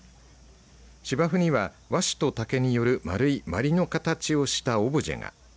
芝生には和紙と竹による丸いまりの形をしたオブジェが。